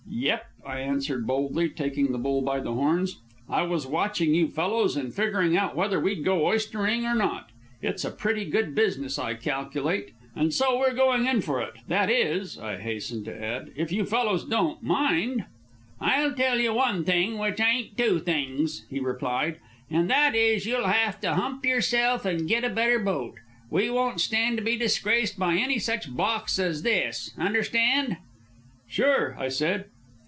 "Yep," I answered boldly, taking the bull by the horns. "I was watching you fellows and figuring out whether we'd go oystering or not. It's a pretty good business, I calculate, and so we're going in for it. That is," I hastened to add, "if you fellows don't mind." "I'll tell you one thing, which ain't two things," he replied, "and that is you'll have to hump yerself an' get a better boat. We won't stand to be disgraced by any such box as this. Understand?" "Sure," I said.